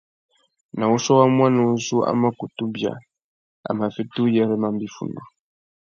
Nà wuchiô wa muaná uzu a mà kutu bia, a mà fiti uyêrê mamba iffundu.